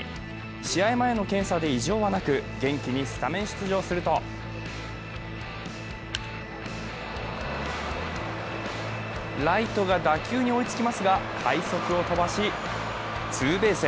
試合前の検査で異常はなく元気にスタメン出場するとライトが打球に追いつきますが、快足を飛ばしツーベース。